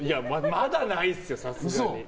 まだないっすよ、さすがに。